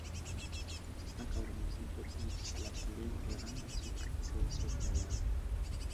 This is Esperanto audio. Ankaŭ la muziko iĝis la plej granda sukceso de la jaro.